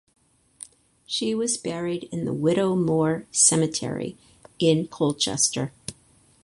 She was buried in the Widow Moore Cemetery in Colchester.